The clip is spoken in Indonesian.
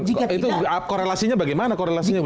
itu korelasinya bagaimana